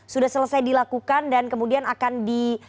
sudah selesai dilakukan dan kemudian akan di